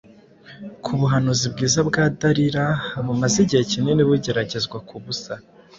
Kubuhanzi bwiza bwa Dalila bumaze igihe kinini bugeragezwa kubusa